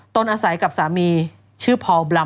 ต้นอาศัยกับสามีชื่อพอล์บลัม